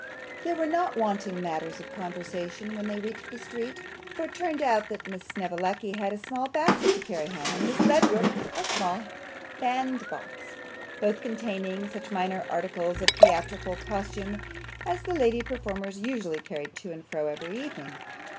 There were not wanting matters of conversation when they reached the street, for it turned out that Miss Snevellicci had a small basket to carry home, and Miss Ledrook a small bandbox, both containing such minor articles of theatrical costume as the lady performers usually carried to and fro every evening.